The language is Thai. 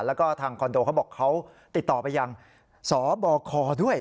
แล้วก็ทางคอนโดเขาบอกเขาติดต่อไปยังสบคด้วย